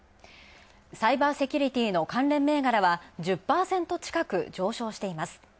サイバーセキュリティーの関連銘柄は１０％近く上昇しています。